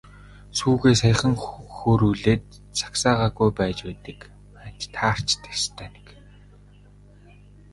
Сүүгээ саяхан хөөрүүлээд загсаагаагүй байж байдаг маань таарч дээ, ёстой нэг.